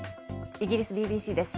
イギリスＢＢＣです。